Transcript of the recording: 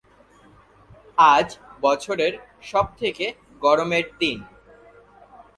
আজ বছরের সব থেকে গরম দিন।